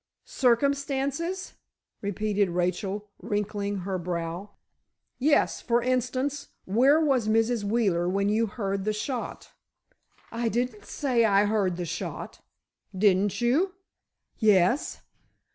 "Circumstances?" repeated Rachel, wrinkling her brow. "Yes; for instance, where was Mrs. Wheeler when you heard the shot?" "I didn't say I heard the shot." "Didn't you?" "Yes."